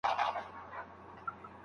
هغه په ګڼ ځای کي د ږغ سره تل ډوډۍ راوړي.